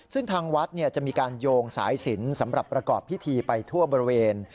ซึ่งทางวัดจะมีการโยงสายสินสำหรับประกอบพิธีไปทั่วบริเวณ